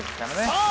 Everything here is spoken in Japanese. さあ